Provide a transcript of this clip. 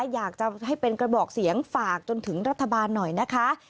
อยากจะให้เป็นกระบอกเสียงฝากจนถึงรัฐบาลหน่อยนะคะ